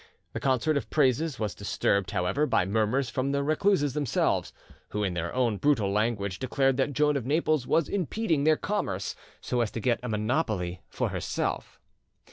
The concert of praises was disturbed, however, by murmurs from the recluses themselves, who, in their own brutal language, declared that Joan of Naples was impeding their commerce so as to get a monopoly for herself.